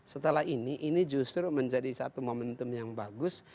setelah ini ini justru menjadi satu momentum yang bagus